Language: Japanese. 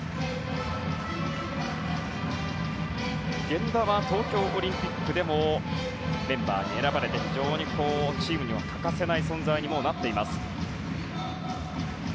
源田は東京オリンピックでもメンバーに選ばれて非常にチームには欠かせない存在になっています。